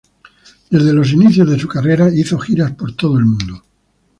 Desde los inicios de su carrera hizo giras por todo el mundo.